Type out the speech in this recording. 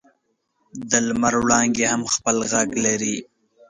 د لمر وړانګې هم خپل ږغ لري.